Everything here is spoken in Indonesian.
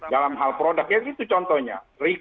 dalam hal produknya itu contohnya